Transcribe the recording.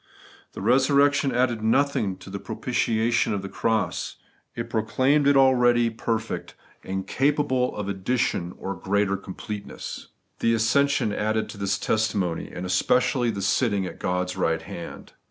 The resurrection added nothing to the pro pitiation of the cross; it proclaimed it already 58 The Everlasting EigMeousncss. perfect, incapable of addition or greater complete ness. The ascension added to this testimony, and espe cially the sitting at God's right hand.